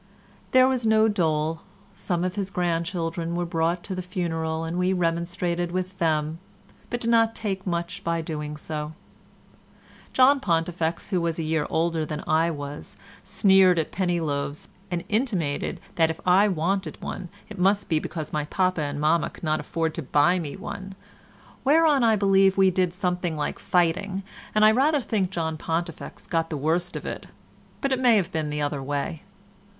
There was no dole. Some of his grandchildren were brought to the funeral and we remonstrated with them, but did not take much by doing so. John Pontifex, who was a year older than I was, sneered at penny loaves, and intimated that if I wanted one it must be because my papa and mamma could not afford to buy me one, whereon I believe we did something like fighting, and I rather think John Pontifex got the worst of it, but it may have been the other way.